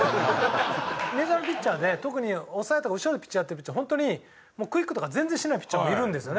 メジャーのピッチャーで特に抑えとか後ろのピッチャーやってるピッチャーはホントにクイックとか全然しないピッチャーもいるんですよね。